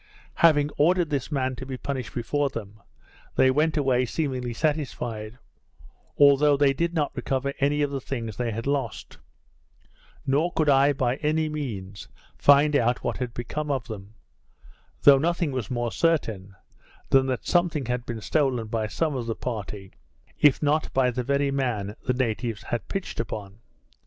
Having ordered this man to be punished before them, they went away seemingly satisfied; although they did not recover any of the things they had lost, nor could I by any means find out what had become of them; though nothing was more certain, than that something had been stolen by some of the party, if not by the very man the natives had pitched upon.